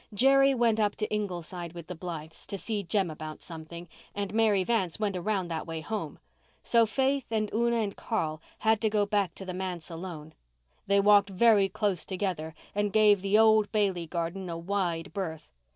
Jerry went up to Ingleside with the Blythes to see Jem about something, and Mary Vance went around that way home. So Faith and Una and Carl had to go back to the manse alone. They walked very close together and gave the old Bailey garden a wide berth.